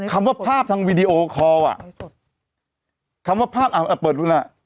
คำว่าภาพทางวีดีโอคอลอ่ะคำว่าภาพอ่ะเปิดดูน่ะ